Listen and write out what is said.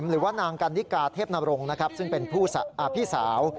หรือว่านางกันดิกาเทพนโรงซึ่งเป็นภี่สาว